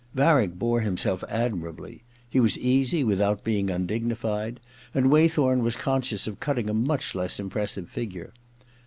Varick bore himself admirably. He was easy without being undignified, and Waythorn was conscious of cutting a much less impressive figure.